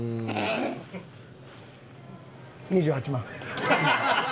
２８万。